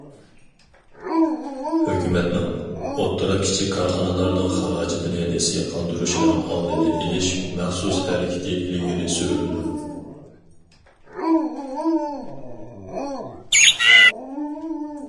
ھۆكۈمەتنىڭ ئوتتۇرا، كىچىك كارخانىلارنىڭ خىراجىتىنى نېسى قالدۇرۇشىنىڭ ئالدىنى ئېلىش مەخسۇس ھەرىكىتى ئىلگىرى سۈرۈلىدۇ.